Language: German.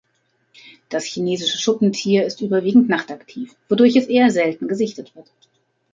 Das Chinesische Schuppentier ist überwiegend nachtaktiv, wodurch es eher selten gesichtet wird.